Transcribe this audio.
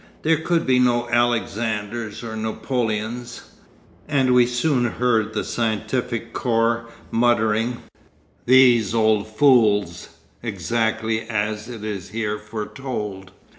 There could be no Alexanders or Napoleons. And we soon heard the scientific corps muttering, 'These old fools,' exactly as it is here foretold.